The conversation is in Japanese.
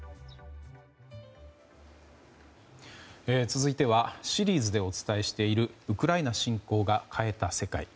続いてはシリーズでお伝えしているウクライナ侵攻が変えた世界。